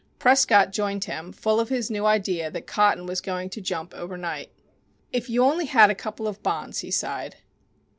Prescott joined him, full of his new idea that cotton was going to jump overnight. "If you only had a couple of bonds," he sighed.